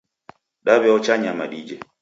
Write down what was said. Daw'eocha nyama dije.